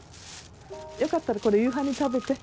よかったらこれ夕飯に食べて。